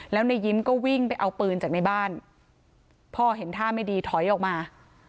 แล้วในยิ้มก็วิ่งไปเอาปืนจากในบ้านพ่อเห็นท่าไม่ดีถอยออกมา